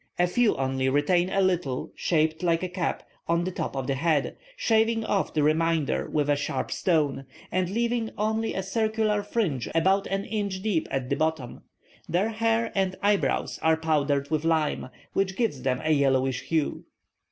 A few only retain a little, shaped like a cap, on the top of the head, shaving off the remainder with a sharp stone, and leaving only a circular fringe about an inch deep at the bottom. Their hair and eyebrows are powdered with lime, which gives them a yellowish hue.